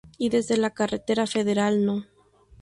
Y desde la carretera federal No.